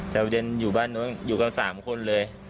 แต่อยู่บ้านนู้นอยู่กับสามคนเลย